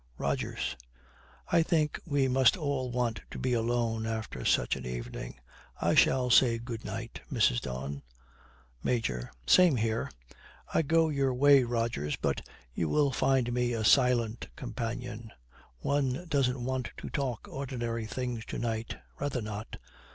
ROGERS. 'I think we must all want to be alone after such an evening. I shall say good night, Mrs. Don.' MAJOR. 'Same here. I go your way, Rogers, but you will find me a silent companion. One doesn't want to talk ordinary things to night. Rather not.